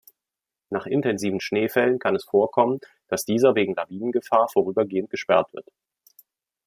Nach intensiven Schneefällen kann es vorkommen, dass dieser wegen Lawinengefahr vorübergehend gesperrt wird.